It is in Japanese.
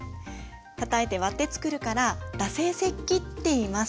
たたいて割って作るから打製石器っていいます。